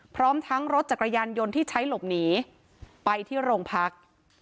พร้อมทั้งรถจักรยานยนต์ที่ใช้หลบหนีไปที่โรงพัก